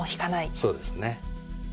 そうですね。